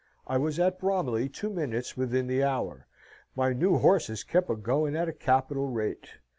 I was at Bromley two minutes within the hour; my new horses kep a going at a capital rate.